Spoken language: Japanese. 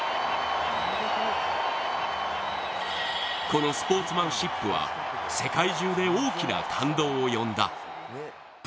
このスポーツマンシップは世界中で大きな感動を呼んだ。